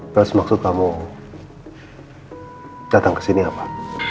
terus maksud kamu datang kesini apa